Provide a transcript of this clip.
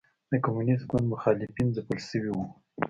د کمونېست ګوند مخالفین ځپل شوي وو.